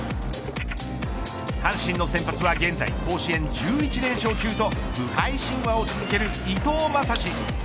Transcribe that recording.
阪神の先発は現在甲子園１１連勝中と不敗神話を続ける伊藤将司。